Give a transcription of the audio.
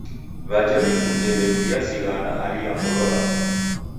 W'aja w'ikunde ndew'aw'iazighana hali ya ngolo raw'o.